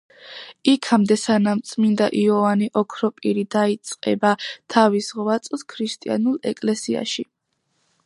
იქამდე სანამ წმინდა იოანე ოქროპირი დაიწყება თავის ღვაწლს ქრისტიანულ ეკლესიაში.